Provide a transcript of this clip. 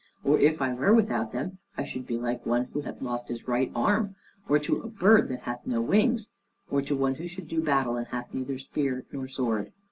or if I were without them, I should be like unto one who hath lost his right arm, or to a bird that hath no wings, or to one who should do battle and hath neither spear nor sword.